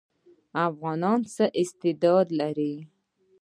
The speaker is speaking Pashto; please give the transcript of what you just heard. افغانان څه استعداد لري؟